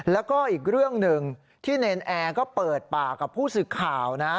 แล้วก็อีกเรื่องหนึ่งที่เนรนแอร์ก็เปิดปากกับผู้สื่อข่าวนะ